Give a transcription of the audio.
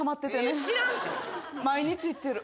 毎日行ってる。